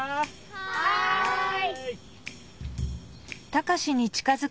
はい！